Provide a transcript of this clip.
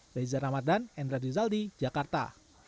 baizah ramadan endra dizaldi jakarta